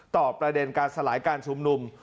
ประเด็นการสลายการชุมนุม